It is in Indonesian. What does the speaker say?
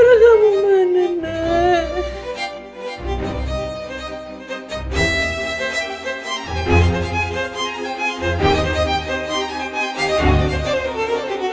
yuk satu kali lagi bu